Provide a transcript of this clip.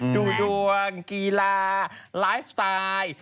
ดูดวงกีฬาไลฟ์สไตล์